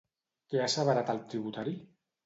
Què ha asseverat el tributari?